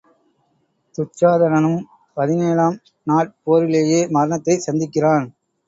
துச்சாதனனும் பதினேழாம் நாட் போரிலேயே மரணத்தைச் சந்திக்கிறான்.